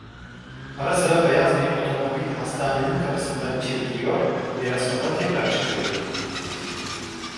Ara sıra beyaz bir otomobil hastanenin kapısından içeri giriyor, biraz sonra tekrar çıkıyordu.